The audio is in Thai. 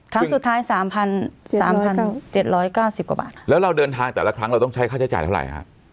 ครั้งสุดท้าย๓๗๙๐กว่าบาทแล้วเราเดินทางแต่ละครั้งเราต้องใช้ค่าใช้จ่ายเท่าไหร่